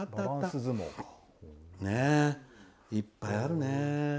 いっぱいあるね。